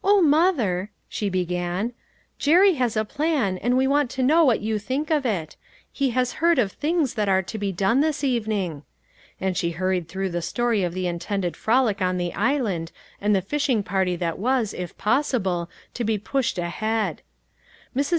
O, mother," she began, u Jerry has a plan, and we want to know what you think of it ; he has heard of things that are to be done this evening." And she hurried through the story of the intended frolic on the island, and the fish ing party that was, if possible, to be pushed in 200 LITTLE FISHERS : AND THEIK NETS. ahead. Mrs.